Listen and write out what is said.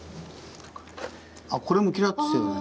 あこれもキラッとしてるね。